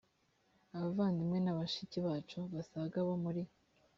abavandimwe na bashiki bacu basaga bo muri